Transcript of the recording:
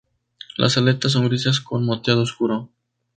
Las aletas son grises con moteado oscuro.